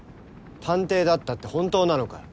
探偵だったって本当なのかよ。